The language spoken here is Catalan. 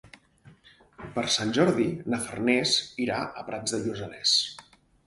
Per Sant Jordi na Farners irà a Prats de Lluçanès.